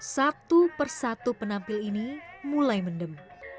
satu persatu penampil ini mulai mendem